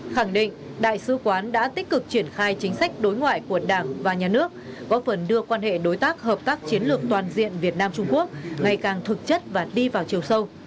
khẳng định đại sứ quán đã tích cực triển khai chính sách đối ngoại của đảng và nhà nước góp phần đưa quan hệ đối tác hợp tác chiến lược toàn diện việt nam trung quốc ngày càng thực chất và đi vào chiều sâu